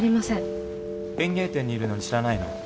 園芸店にいるのに知らないの？